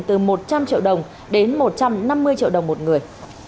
từ một trăm linh triệu đồng đến một trăm năm mươi triệu đồng một người